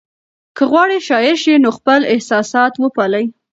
که غواړئ شاعر شئ نو خپل احساسات وپالئ.